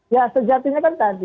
ya sejatinya kan tadi